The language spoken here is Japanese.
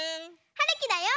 はるきだよ。